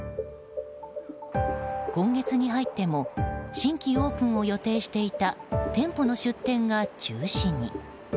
今月に入っても新規オープンを予定していた店舗の出店が中止に。